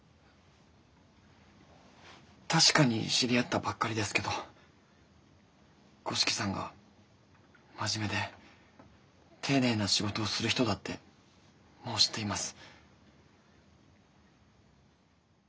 確かに知り合ったばっかりですけど五色さんが真面目で丁寧な仕事をする人だってもう知っています。